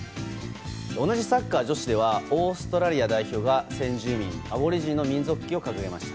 同じサッカー女子ではオーストラリア代表が先住民アボリジニの民族旗を掲げました。